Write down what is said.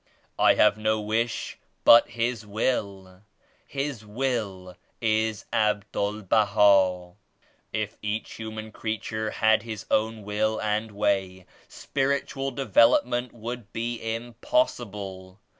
I have no wish but His Will. His Will is Abdul Baha. If each human creature had his own will and way, spirit ual development would be impossible.